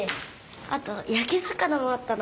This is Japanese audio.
あとやき魚もあったの。